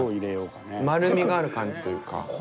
丸みがある感じというか。